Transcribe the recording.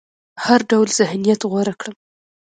هر ډول ذهنيت غوره کړم.